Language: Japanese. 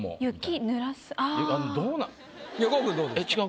横尾君どうですか？